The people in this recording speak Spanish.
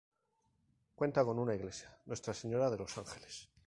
Cuenta con una iglesia, Nuestra Señora de los Ángeles.